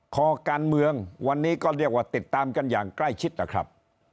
คอการเมืองวันนี้ก็เรียกว่าติดตามกันอย่างใกล้ชิดนะครับ